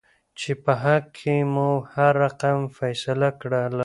چې په حق کې مو هر رقم فيصله کړله.